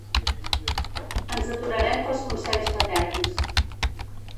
Ens aturarem pels consells paterns.